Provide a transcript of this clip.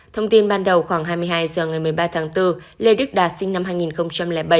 thông tin ban đầu khoảng hai mươi hai h ngày một mươi ba tháng bốn lê đức đạt sinh năm hai nghìn bảy